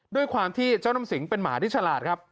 ด้วยความที่เจ้าน้ำสิงเป็นหมาที่ฉลาดครับ